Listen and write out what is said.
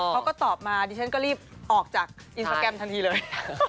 เขาก็ตอบมาดิฉันก็รีบออกจากอินสตราแกรมทันทีเลย